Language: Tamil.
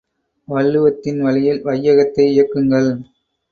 வள்ளுவத்தின் வழியில் வையகத்தை இயக்குங்கள்!